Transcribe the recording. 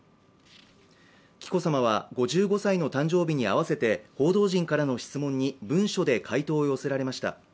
紀子さまは５５歳の誕生日に合わせて報道陣からの質問に文書で回答を寄せられました。